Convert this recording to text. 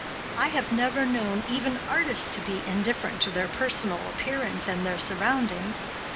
I have known even artists to be indifferent to their personal appearance and their surroundings.